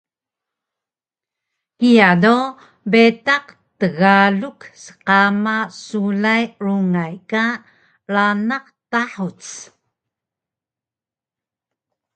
Kiya do bitaq tgaluk sqama sulay rungay ka ranaq tahuc